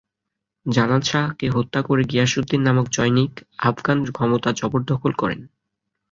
জালাল শাহকে হত্যা করে গিয়াসউদ্দীন নামক জনৈক আফগান ক্ষমতা জবরদখল করেন।